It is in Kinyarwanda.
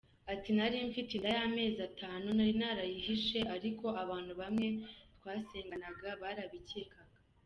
Ati "Nari mfite inda y’amezi atanu, nari narayihishe ariko abantu bamwe twasenganaga barabikekaga.